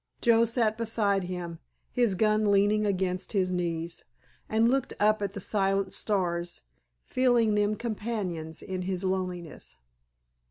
Joe sat beside him, his gun leaning against his knees, and looked up at the silent stars, feeling them companions in his loneliness.